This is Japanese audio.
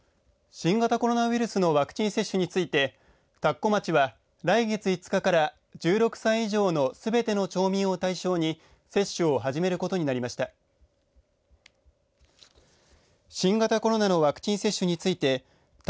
新型コロナウイルスのワクチン接種について田子町は来月５日から１６歳以上のすべての町民を対象に接種を始めることになりました。